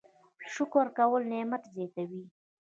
شکر کول نعمت زیاتوي